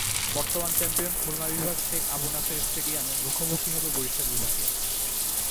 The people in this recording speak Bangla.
বর্তমান চ্যাম্পিয়ন খুলনা বিভাগ শেখ আবু নাসের স্টেডিয়ামে মুখোমুখি হবে বরিশাল বিভাগের।